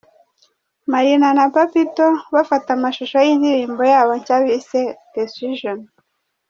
Marina na Papito bafata amashusho y'indirimbo yabo nshya bise 'Decision'.